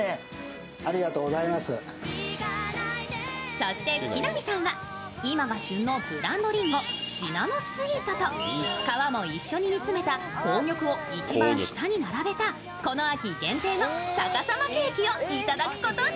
そして木南さんは今が旬のブランドりんご、シナノスイートと皮も一緒に煮詰めた紅玉を一緒に下に並べたこの秋限定の逆さまケーキを頂くことに。